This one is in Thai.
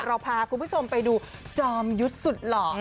เราพาคุณผู้ชมไปดูจอมยุทธ์สุดหล่อ